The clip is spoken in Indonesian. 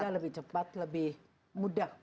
lebih cepat lebih mudah